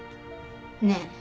ねえ。